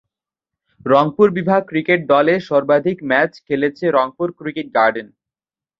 রংপুর বিভাগ ক্রিকেট দল এর সর্বাধিক ম্যাচ খেলেছে রংপুর ক্রিকেট গার্ডেন।